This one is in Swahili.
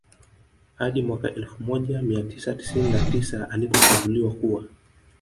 Hadi mwaka elfu moja mia tisa tisini na tisa alipochaguliwa kuwa